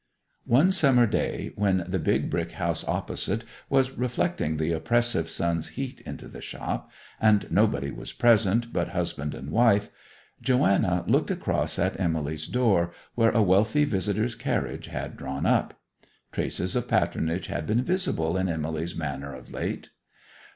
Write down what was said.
One summer day, when the big brick house opposite was reflecting the oppressive sun's heat into the shop, and nobody was present but husband and wife, Joanna looked across at Emily's door, where a wealthy visitor's carriage had drawn up. Traces of patronage had been visible in Emily's manner of late.